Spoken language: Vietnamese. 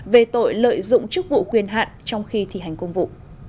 về tội lợi dụng chức vụ quyền hạn trong khi thi hành công vụ